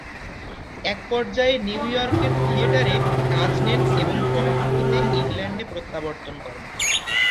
এক পর্যায়ে নিউইয়র্কের থিয়েটারে কাজ নেন ও পরবর্তীতে ইংল্যান্ডে প্রত্যাবর্তন করেন।